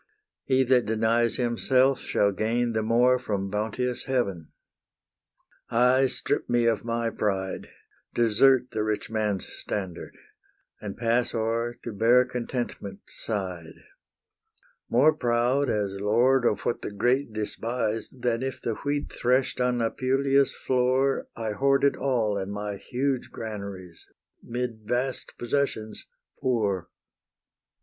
He that denies himself shall gain the more From bounteous Heaven. I strip me of my pride, Desert the rich man's standard, and pass o'er To bare Contentment's side, More proud as lord of what the great despise Than if the wheat thresh'd on Apulia's floor I hoarded all in my huge granaries, 'Mid vast possessions poor.